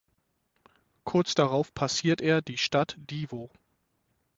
Kurz darauf passiert er die Stadt Divo.